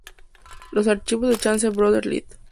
Los archivos de Chance Brothers Ltd.